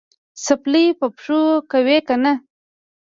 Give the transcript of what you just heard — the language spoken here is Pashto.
څپلۍ په پښو کوې که نه؟